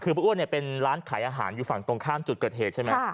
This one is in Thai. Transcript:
คือป้าอ้วนเป็นร้านขายอาหารอยู่ฝั่งตรงข้ามจุดเกิดเหตุใช่ไหม